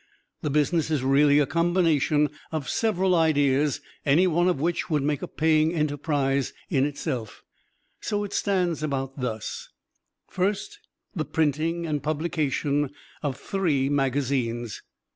The business is really a combination of several ideas, any one of which would make a paying enterprise in itself. So it stands about thus: First, the printing and publication of three magazines.